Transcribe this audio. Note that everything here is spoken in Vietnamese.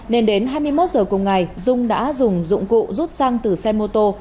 nên đến hai mươi một giờ cùng ngày dung đã dùng dụng cụ rút xăng từ xe mô tô